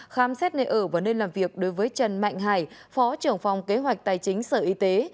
khám xét nơi ở và nơi làm việc đối với trần mạnh hải phó trưởng phòng kế hoạch tài chính sở y tế